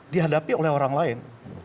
dihadapi oleh orang lain